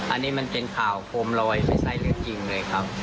อันนี้มันเป็นข่าวโคมลอยไม่ใช่เรื่องจริงเลยครับ